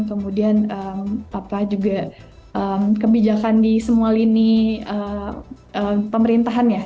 kemudian juga kebijakan di semua lini pemerintahan ya